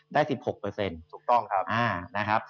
ได้๑๖ถูกต้องครับ